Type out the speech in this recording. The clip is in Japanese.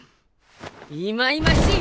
いまいましい！